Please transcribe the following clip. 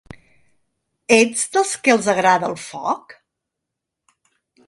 Ets dels que els agrada el foc?